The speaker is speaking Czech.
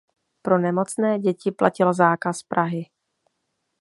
Pro nemocné děti platil zákaz Prahy.